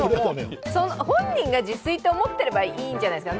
本人が自炊と思ってればいいんじゃないですか。